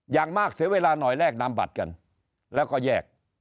อย่างมากเสียเวลาหน่อยแลกนำบัตรกันแล้วก็แยก